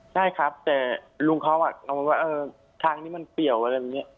ใช่ครับแต่ลุงเขากังวลว่าทางนี้มันเปี่ยวอะไรแบบนี้